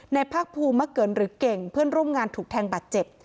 ภาคภูมิมะเกินหรือเก่งเพื่อนร่วมงานถูกแทงบาดเจ็บ